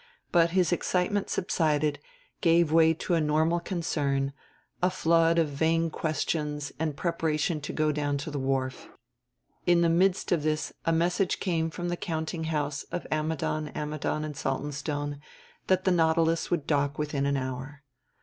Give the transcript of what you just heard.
But his excitement subsided, gave way to a normal concern, a flood of vain questions and preparation to go down to the wharf. In the midst of this a message came from the countinghouse of Ammidon, Ammidon and Saltonstone that the Nautilus would dock within an hour.